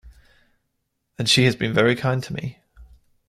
And she has been very kind to me.